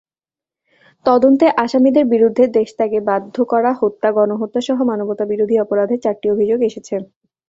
তদন্তে আসামিদের বিরুদ্ধে দেশত্যাগে বাধ্য করা, হত্যা, গণহত্যাসহ মানবতাবিরোধী অপরাধের চারটি অভিযোগ এসেছে।